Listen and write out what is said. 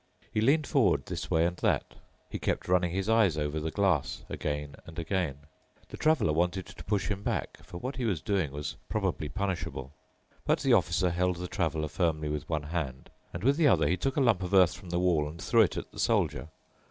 He leaned forward this way and that. He kept running his eyes over the glass again and again. The Traveler wanted to push him back, for what he was doing was probably punishable. But the Officer held the Traveler firmly with one hand, and with the other he took a lump of earth from the wall and threw it at the Soldier.